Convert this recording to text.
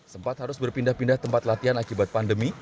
sempat harus berpindah pindah tempat latihan akibat pandemi